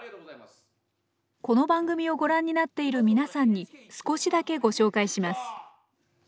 この番組をごらんになっているみなさんに少しだけご紹介します。